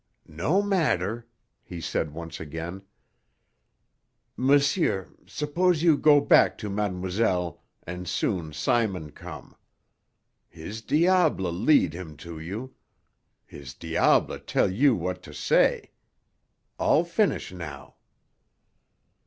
"No matter," he said once again. "M'sieur, suppose you go back to ma'm'selle, and soon Simon come. His diable lead him to you. His diable tell you what to say. All finish now!"